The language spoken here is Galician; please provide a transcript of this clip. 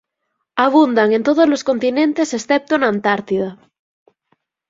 Abundan en tódolos continentes excepto na Antártida.